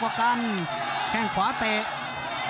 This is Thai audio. ภูตวรรณสิทธิ์บุญมีน้ำเงิน